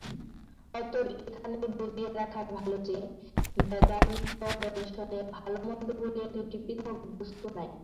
অতএব এইখানেই বুঝিয়া রাখা ভাল যে, বেদান্তদর্শনে ভাল-মন্দ বলিয়া দুইটি পৃথক বস্তু নাই।